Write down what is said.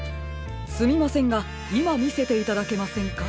すみませんがいまみせていただけませんか？